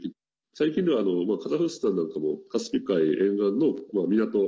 最近ではカザフスタンなんかもカスピ海沿岸の港